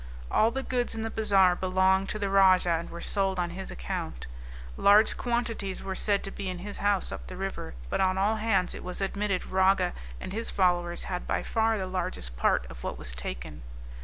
All the goods in the bazaar belonged to the rajah, and were sold on his account; large quantities were said to be in his house up the river; but on all hands it was admitted Raga and his followers had by far the largest part of what was taken.